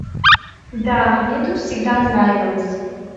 Да, мне тут всегда нравилось.